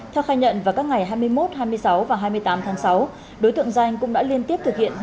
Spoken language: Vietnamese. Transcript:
theo khai nhận vào các ngày hai mươi một hai mươi sáu và hai mươi tám tháng sáu đối tượng danh cũng đã liên tiếp thực hiện